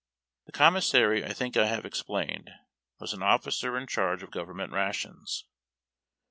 The commissary, I think I have explained, was an officer in charge of government rations.